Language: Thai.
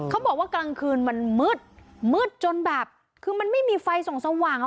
เขาบอกว่ากลางคืนมันมืดมืดจนแบบคือมันไม่มีไฟส่งสว่าง